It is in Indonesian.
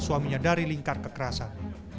suaminya dari lingkar kekerasan